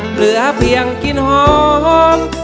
เหลือเพียงกลิ่นหอม